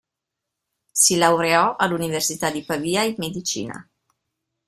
Si laureò all'Università di Pavia in medicina.